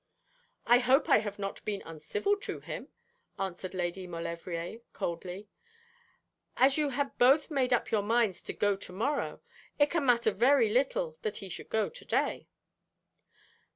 'I hope I have not been uncivil to him,' answered Lady Maulevrier coldly. 'As you had both made up your minds to go to morrow, it can matter very little that he should go to day.'